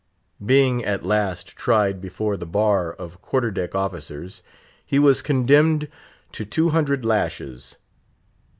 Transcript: Being at last tried before the bar of quarter deck officers, he was condemned to two hundred lashes.